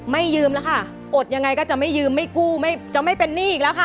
ยืมแล้วค่ะอดยังไงก็จะไม่ยืมไม่กู้ไม่จะไม่เป็นหนี้อีกแล้วค่ะ